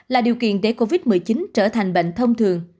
là điều kiện để covid một mươi chín trở thành bệnh thông thường